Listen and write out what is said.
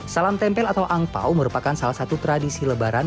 salam tempel atau angpau merupakan salah satu tradisi lebaran